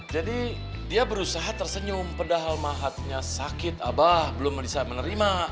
jadi dia berusaha tersenyum padahal mahatnya sakit abah belum bisa menerima